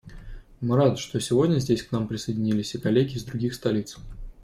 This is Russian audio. Мы рады, что сегодня здесь к нам присоединились и коллеги из других столиц.